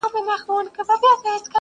• زه چوپړ کي د ساقي پر خمخانه سوم,